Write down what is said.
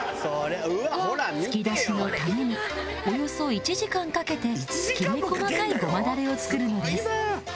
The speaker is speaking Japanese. つきだしのためにおよそ１時間かけてきめ細かい胡麻ダレを作るのです